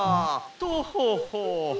とほほ」。